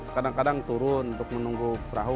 kadang kadang turun untuk menunggu perahu